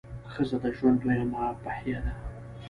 ښځه د ژوند دویمه پهیه ده.